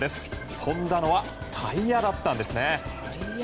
跳んだのはタイヤだったんですね。